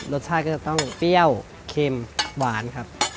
รสชาติก็จะต้องเปรี้ยวเค็มหวานครับ